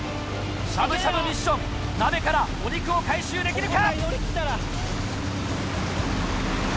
しゃぶしゃぶミッション鍋からお肉を回収できるか？